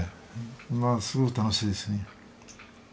すごく楽しいですね。